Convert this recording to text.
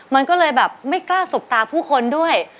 มันก็เลยแบบไม่กล้าสบตาผู้คนด้วย